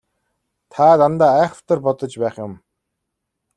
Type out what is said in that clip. Та дандаа айхавтар бодож байх юм.